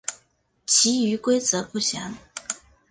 其余规则不详。